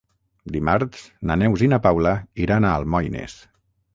Dimarts na Neus i na Paula iran a Almoines.